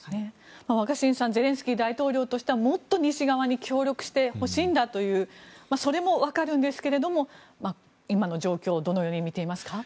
若新さんゼレンスキー大統領としてはもっと西側に協力してほしいんだというそれもわかるんですけど今の状況をどのように見ていますか？